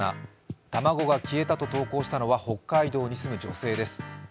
卵が消えたと投稿をしたのは北海道に住む女性です。